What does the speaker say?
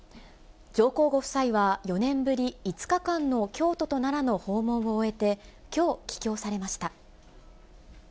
上皇ご夫妻は４年ぶり５日間の京都と奈良の訪問を終えて、きょう、帰京されました。